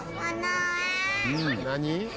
何？